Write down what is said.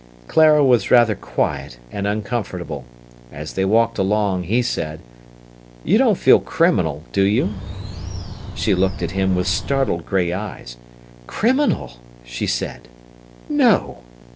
Clara was rather quiet and uncomfortable. As they walked along, he said: "You don't feel criminal, do you?" She looked at him with startled grey eyes. "Criminal!" she said. "No."